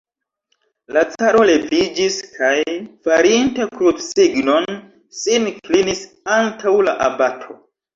La caro leviĝis kaj, farinte krucsignon, sin klinis antaŭ la abato.